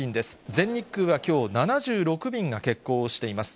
全日空はきょう、７６便が欠航しています。